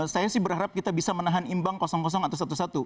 saya sih berharap kita bisa menahan imbang atau satu satu